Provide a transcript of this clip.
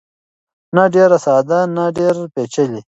نه ډېر ساده نه ډېر پېچلی.